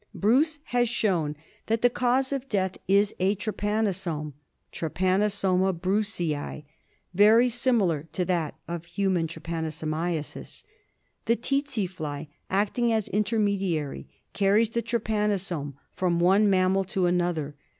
Bruce has shown that the cause of death is a trypanosome — Trypanosoma brucei — very similar to that of human trypanosomiasis. The tsetse fly, acting as intermediary, carries the trypanosome fr om one mam maL >to anothe r.